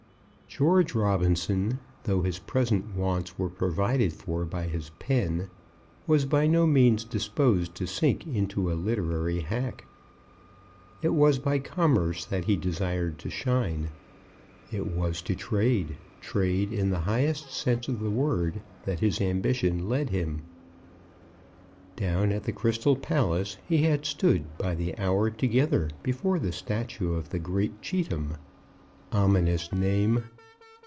George Robinson, though his present wants were provided for by his pen, was by no means disposed to sink into a literary hack. It was by commerce that he desired to shine. It was to trade, trade, in the highest sense of the word, that his ambition led him. Down at the Crystal Palace he had stood by the hour together before the statue of the great Cheetham, ominous name!